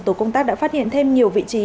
tổ công tác đã phát hiện thêm nhiều vị trí